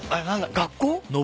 学校？